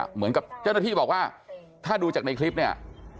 เหมือนกับเจ้าหน้าที่บอกว่าถ้าดูจากในคลิปเนี่ย